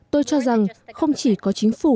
tôi cho rằng không chỉ có chính phủ